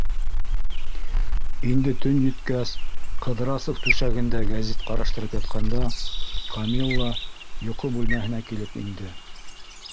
Инде төн еткәс, Ҡыҙрасов түшәгендә гәзит ҡараштырып ятҡанда, Камилла йоҡо бүлмәһенә килеп инде.